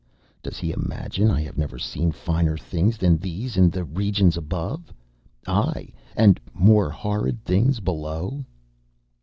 Does he imagine I have never seen finer things than these in the regions above ay! and more horrid things below?